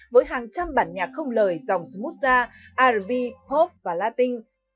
với hàng trăm bản nhạc không lời dòng smooth ra r b pop và latin